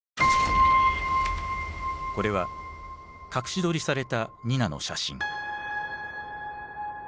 これは隠し撮りされたニナの写真。